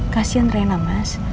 kasian rena mas